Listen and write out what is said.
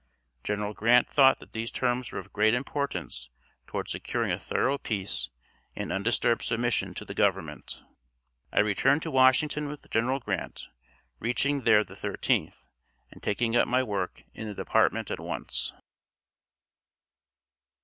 General Grant thought that these terms were of great importance toward securing a thorough peace and undisturbed submission to the Government. I returned to Washington with General Grant, reaching there the 13th, and taking up my work in the department at once.